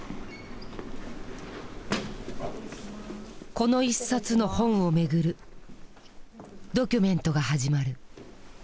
この一冊の本を巡るドキュメントが始まる。